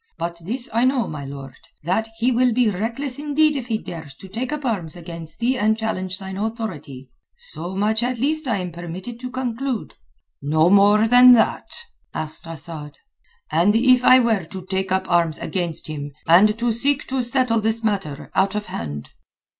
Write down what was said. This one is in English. But this I know, my lord, that he will be reckless indeed if he dares to take up arms against thee and challenge thine authority. So much at least I am permitted to conclude." "No more than that?" asked Asad. "And if I were to take up arms against him, and to seek to settle this matter out of hand?"